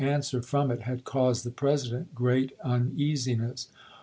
swer from it had caused the President great unea siness.